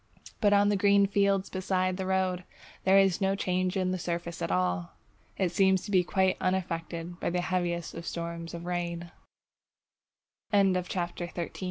But on the green fields beside the road, there is no change in the surface at all! It seems to be quite unaffected by the heaviest storm of rain. CHAPTER XIV ON VEGETABLE DEMONS Animals